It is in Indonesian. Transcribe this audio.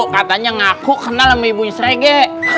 katanya ngaku kenal sama ibunya srege